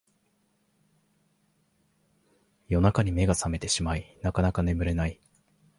夜中に目が覚めてしまいなかなか眠れない